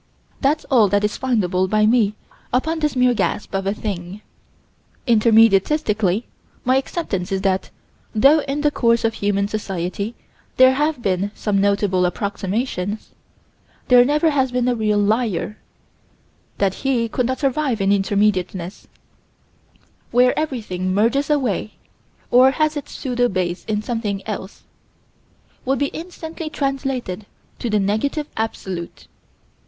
That's all that is findable by me upon this mere gasp of a thing. Intermediatistically, my acceptance is that, though in the course of human history, there have been some notable approximations, there never has been a real liar: that he could not survive in intermediateness, where everything merges away or has its pseudo base in something else would be instantly translated to the Negative Absolute.